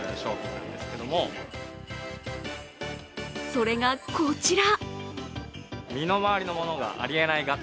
それがこちら。